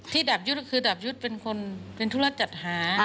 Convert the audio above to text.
ดาบยุทธ์ก็คือดาบยุทธ์เป็นคนเป็นธุระจัดหา